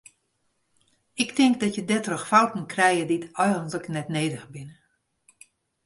Ik tink dat je dêrtroch fouten krije dy eigenlik net nedich binne.